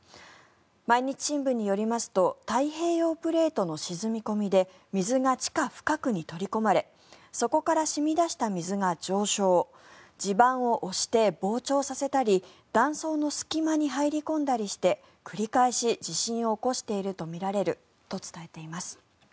毎日新聞によりますと太平洋プレートの沈み込みで水が地下深くに取り込まれそこから染み出した水が上昇地盤を押して膨張させたり断層の隙間に入り込んだりして繰り返し地震を起こしているとみられると伝えています。